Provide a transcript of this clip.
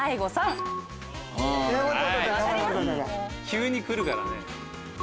急に来るからね。